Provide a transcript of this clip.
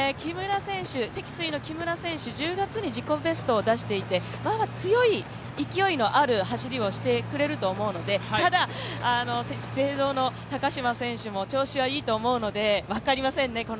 積水の木村選手、１０月に自己ベストを出していて強い勢いのある走りをしてくれると思うのでただ、資生堂の高島選手も調子はいいと思うので、このあと分かりませんね。